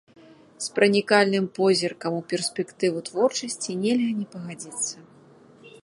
З пранікальным позіркам у перспектыву творчасці нельга не пагадзіцца.